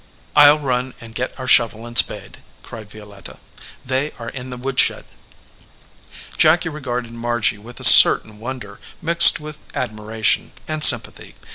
Til run and get our shovel and spade," cried Violetta. "They are in the woodshed." Jacky regarded Margy with a certain wonder mixed with admiration and sympathy.